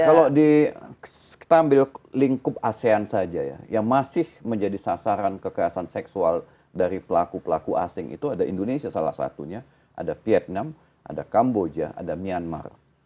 kalau kita ambil lingkup asean saja ya yang masih menjadi sasaran kekerasan seksual dari pelaku pelaku asing itu ada indonesia salah satunya ada vietnam ada kamboja ada myanmar